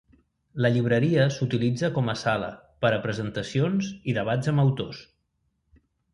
La llibreria s'utilitza com a sala per a presentacions i debats amb autors.